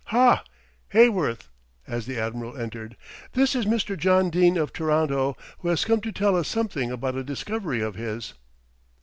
Ha, Heyworth!" as the Admiral entered, "this is Mr. John Dene of Toronto, who has come to tell us something about a discovery of his."